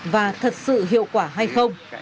và thật sự hiệu quả hay không